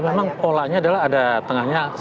ya memang polanya adalah ada tengahnya sebuah alun alun